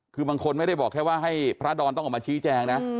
คือบางคนไม่ได้บอกแค่ว่าให้พระดอนต้องออกมาชี้แจงนะ